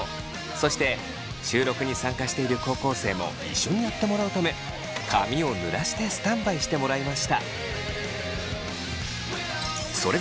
そして収録に参加している高校生も一緒にやってもらうため髪を濡らしてスタンバイしてもらいました。